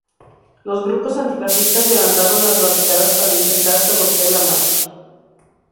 Los grupos antifascistas levantaron barricadas para intentar sabotear la marcha.